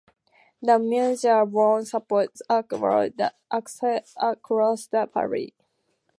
The measure won support across the party.